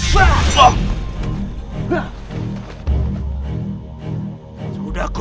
berikan garis itu padaku